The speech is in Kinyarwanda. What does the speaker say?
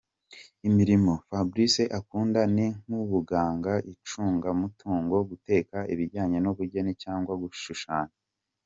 Imirimo Fabrice akunda ni nk’ubuganga, icunga mutungo, guteka, ibijyanye n’ubugeni cyangwa gushushanya.